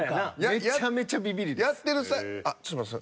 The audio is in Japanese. めちゃめちゃビビリです。